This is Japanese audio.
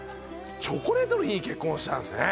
チョコレートの日に結婚したんですね。